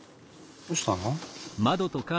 どうしたの？